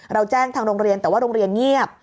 เราแจ้งทางโรงเรียนแต่ว่าโรงเรียนเงียบ